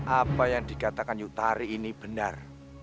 apa yang dikatakan yutari ini benar